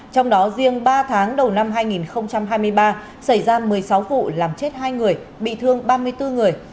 trong đó riêng ba tháng đầu năm hai nghìn hai mươi ba xảy ra một mươi sáu vụ làm chết hai người bị thương ba mươi bốn người